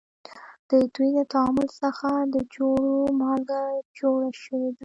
د دوی د تعامل څخه د خوړو مالګه جوړه شوې ده.